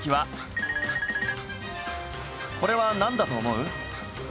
これはなんだと思う？